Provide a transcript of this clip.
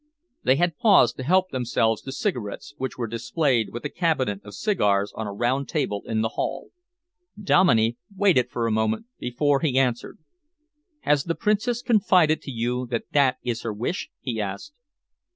They had paused to help themselves to cigarettes, which were displayed with a cabinet of cigars on a round table in the hall. Dominey waited for a moment before he answered. "Has the Princess confided to you that that is her wish?" he asked.